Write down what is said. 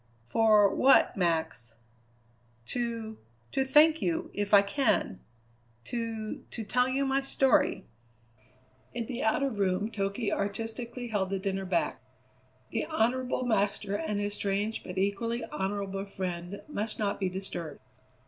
"For what Max?" "To to thank you, if I can. To to tell you my story." In the outer room Toky artistically held the dinner back. The honourable master and his strange but equally honourable friend must not be disturbed.